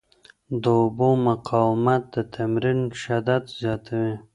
د اوبو مقاومت د تمرین شدت زیاتوي.